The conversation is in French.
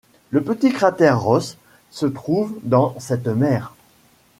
Le petit cratère Rosse se trouve dans cette mer.